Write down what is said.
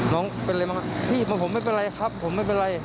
น้องเป็นอะไรบ้างครับพี่ผมไม่เป็นไรครับผมไม่เป็นไร